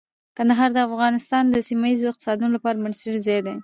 کندهار د افغانستان د سیمه ییزو اقتصادونو لپاره بنسټیز ځای دی.